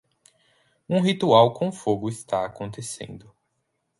Um ritual com fogo está acontecendo.